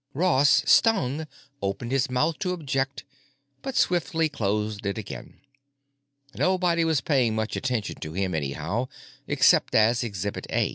Ross, stung, opened his mouth to object; but swiftly closed it again. Nobody was paying much attention to him, anyhow, except as Exhibit A.